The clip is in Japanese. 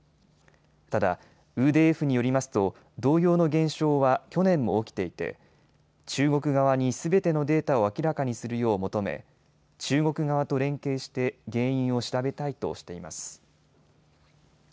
ただ、ＥＤＦによりますと同様の現象は去年も起きていて中国側にすべてのデータを明らかにするよう求め、中国側と連携して原因を調べたいとしています。